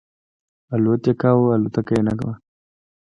الوت یې کاو الوتکه یې نه وه.